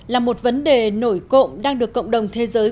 là một vấn đề nổi cộng đang được cộng đồng thế giới